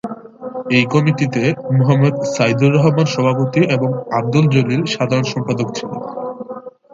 এই কমিটিতে মোহাম্মদ সাইদুর রহমান সভাপতি ও আবদুল জলিল সাধারণ সম্পাদক ছিলেন।